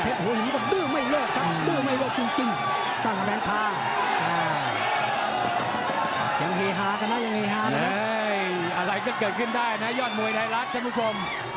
อะไรก็เกิดขึ้นได้นะยอดมวยไทยลักษณ์ครับทุกคน